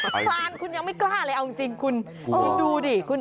คานคุณยังไม่กล้าเลยเอาจริงคุณดูดิ